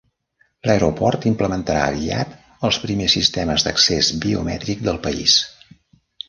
L'aeroport implementarà aviat els primers sistemes d'accés biomètric del país.